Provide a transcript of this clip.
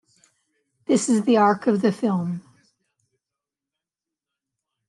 This is the arc of the film.